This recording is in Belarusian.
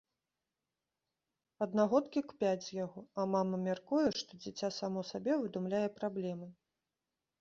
Аднагодкі кпяць з яго, а мама мяркуе, што дзіця само сабе выдумляе праблемы.